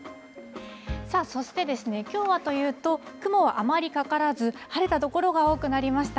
さあ、そしてきょうはというと、雲はあまりかからず、晴れた所が多くなりました。